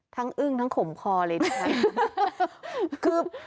ทั้งอึ้งทั้งขมคอเลยนะครับ